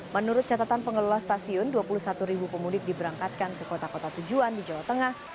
menurut catatan pengelola stasiun dua puluh satu ribu pemudik diberangkatkan ke kota kota tujuan di jawa tengah